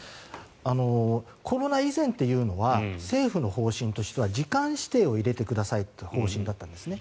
コロナ以前というのは政府の方針としては時間指定を入れてくださいという方針だったんですね。